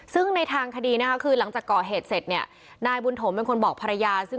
ซึ่งในทางคดีหลังจากก่อเหตุเสร็จณบุญธมแบบบอกภรรยา